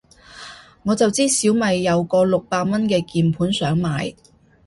我就知小米有個六百蚊嘅鍵盤想買